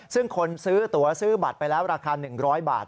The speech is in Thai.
ซึ่งคนซื้อตัวซื้อบัตรไปแล้วราคา๑๐๐บาท